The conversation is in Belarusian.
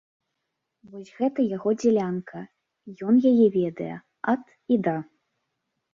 Вось гэта яго дзялянка, ён яе ведае ад і да.